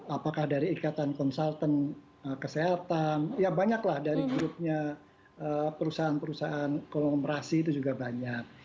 apakah dari ikatan konsultan kesehatan ya banyaklah dari grupnya perusahaan perusahaan kolomerasi itu juga banyak